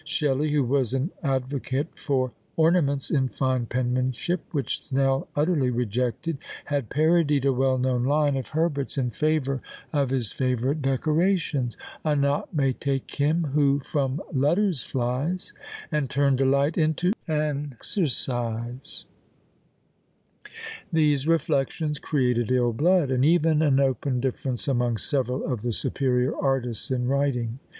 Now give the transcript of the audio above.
Shelley, who was an advocate for ornaments in fine penmanship, which Snell utterly rejected, had parodied a well known line of Herbert's in favour of his favourite decorations: A Knot may take him who from letters flies, And turn delight into an exercise. These reflections created ill blood, and even an open difference amongst several of the superior artists in writing.